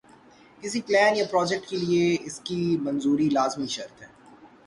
کسی پلان یا پراجیکٹ کے لئے اس کی منظوری لازمی شرط ہے۔